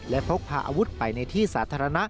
และพกพาอาวุธไปในที่สาธารณะ